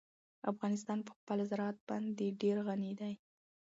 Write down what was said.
افغانستان په خپل زراعت باندې ډېر غني دی.